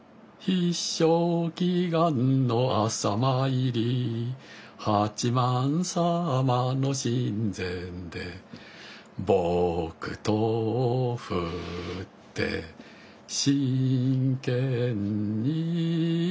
「必勝祈願の朝参り」「八幡様の神前で」「木刀振って真剣に」